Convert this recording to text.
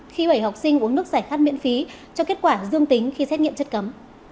khi bảy học sinh uống nước giải khát miễn phí cho kết quả dương tính khi xét nghiệm chất cấm